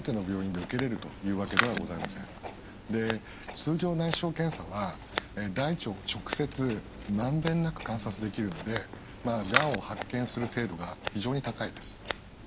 通常内視鏡検査は大腸を直接まんべんなく観察できるのでがんを発見する精度が非常に高いです。